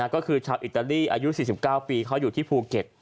ก็คือชาวอิตาลีอายุ๔๙ปีเขาอยู่ที่ภูเก็ต